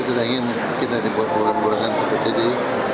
kita tidak ingin kita dibuat bulan bulan seperti ini